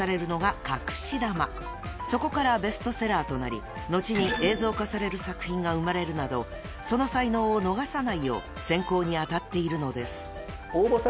［そこからベストセラーとなり後に映像化される作品が生まれるなどその才能を逃さないよう選考に当たっているのです］